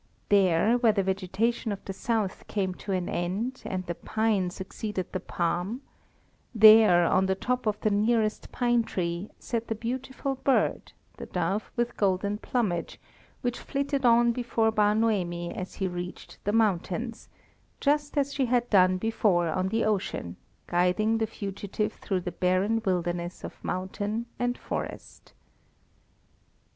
There, where the vegetation of the south came to an end, and the pine succeeded the palm; there, on the top of the nearest pine tree, sat the beautiful bird, the dove with golden plumage, which flitted on before Bar Noemi as he reached the mountains, just as she had done before on the ocean, guiding the fugitive through the barren wilderness of mountain and forest.